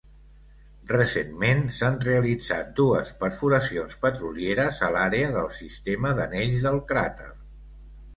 Recentment, s'han realitzat dues perforacions petrolieres a l'àrea del sistema d'anells del cràter.